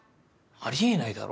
あり得ないだろ。